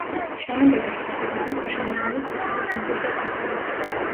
შენობების ფასადები ქვიშანარევი ქვით არის მოპირკეთებული.